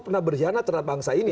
pernah berhiana cerdas bangsa ini